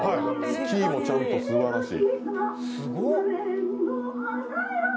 キーもちゃんと、すばらしい。